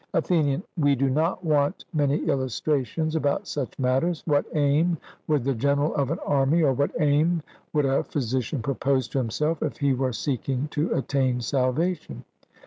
ATHENIAN: We do not want many illustrations about such matters: What aim would the general of an army, or what aim would a physician propose to himself, if he were seeking to attain salvation?